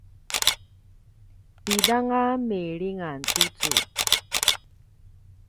pidanga milingan tucu?